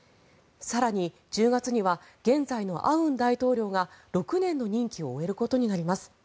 更に、１０月には現在のアウン大統領が６年の任期を終えることになります。